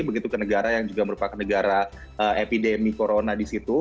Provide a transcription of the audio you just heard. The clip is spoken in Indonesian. begitu ke negara yang juga merupakan negara epidemi corona di situ